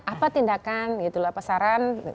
apa tindakan itu lah pasaran